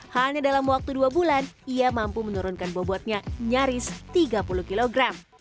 hanya dalam waktu dua bulan ia mampu menurunkan bobotnya nyaris tiga puluh kg